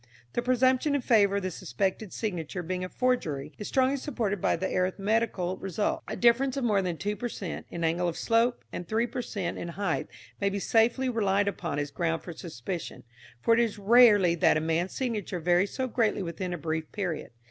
The presumption in favour of the suspected signature being a forgery is strongly supported by the arithmetical result. A difference of more than 2 per cent. in angle of slope, and 3 per cent. in height may be safely relied upon as ground for suspicion, for it is rarely that a man's signature varies so greatly within a brief period.